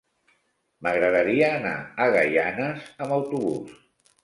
M'agradaria anar a Gaianes amb autobús.